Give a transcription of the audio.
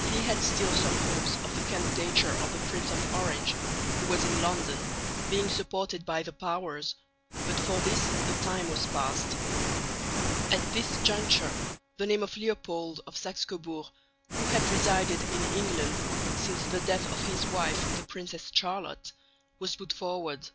He had still some hopes of the candidature of the Prince of Orange (who was in London) being supported by the Powers, but for this the time was past. At this juncture the name of Leopold of Saxe Coburg, who had resided in England since the death of his wife the Princess Charlotte, was put forward.